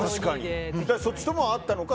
そっちともあったのか